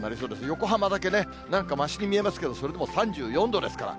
横浜だけね、なんかましに見えますけど、それでも３４度ですから。